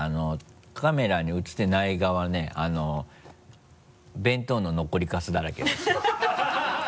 カメラに映ってない側ね弁当の残りカスだらけです。